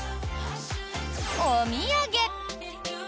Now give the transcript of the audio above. お土産！